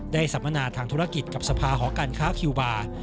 สัมมนาทางธุรกิจกับสภาหอการค้าคิวบาร์